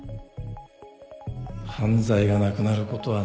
犯罪がなくなることはないよ